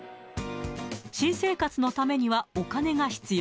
新生活のためには、お金が必要。